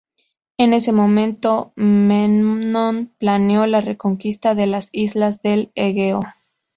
En ese momento, Memnón planeó la reconquista de las islas del Egeo.